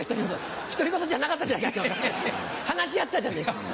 独り言じゃなかったじゃないか話し合ったじゃねえか。